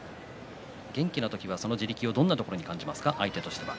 元気な時はその地力をどんなところに感じますか。